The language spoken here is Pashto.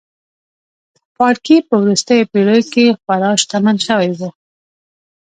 پاړکي په وروستیو پېړیو کې خورا شتمن شوي وو.